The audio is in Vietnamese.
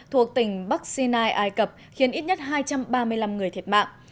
thuộc tỉnh bắc sinai ai cập khiến ít nhất hai trăm ba mươi năm người thiệt mạng